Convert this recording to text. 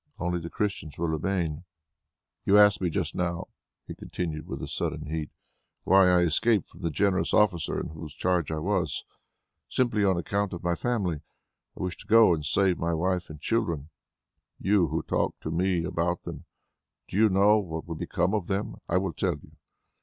Only the Christians will remain. "You asked me just now," he continued with a sudden heat, "why I escaped from the generous officer in whose charge I was. Simply on account of my family. I wished to go and save my wife and children. You who talk to me about them, do you know what will become of them? I will tell you.